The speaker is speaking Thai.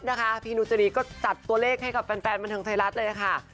นนุจรีจัดตัวเลขให้กับแฟนมันถึงไทยรัฐเลยนะคะ